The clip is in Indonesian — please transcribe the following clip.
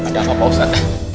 ada apa pak ustad